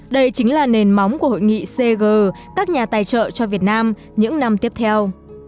đây chính là nền móng của hội nghị cg các nhà tài trợ cho việt nam những năm tiếp theo